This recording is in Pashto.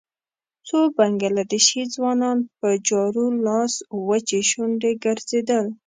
څو بنګله دېشي ځوانان په جارو لاس وچې شونډې ګرځېدل.